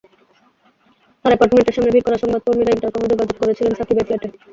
তাঁর অ্যাপার্টমেন্টের সামনে ভিড় করা সংবাদকর্মীরা ইন্টারকমে যোগাযোগ করেছিলেন সাকিবের ফ্ল্যাটে।